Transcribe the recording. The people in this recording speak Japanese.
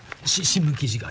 新聞記事が。